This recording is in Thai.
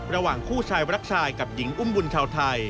ระหว่างคู่ชายรักชายกับหญิงอุ้มบุญชาวไทย